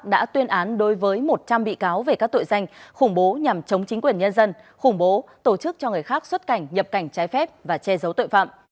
đã tuyên án đối với một trăm linh bị cáo về các tội danh khủng bố nhằm chống chính quyền nhân dân khủng bố tổ chức cho người khác xuất cảnh nhập cảnh trái phép và che giấu tội phạm